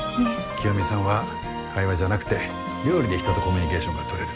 清美さんは会話じゃなくて料理で人とコミュニケーションがとれる。